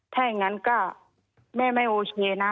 ถ้าอย่างนั้นก็แม่ไม่โอเคนะ